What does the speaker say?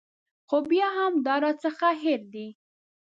خو بیا هم دا راڅخه هېر دي.